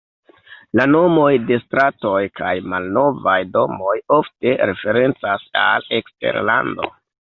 La nomoj de stratoj kaj malnovaj domoj ofte referencas al eksterlando.